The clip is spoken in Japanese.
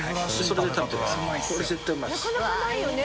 なかなかないよね。